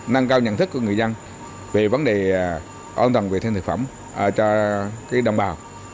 nâng cao nhận thức của người dân về vấn đề an toàn về thêm thực phẩm cho đồng bào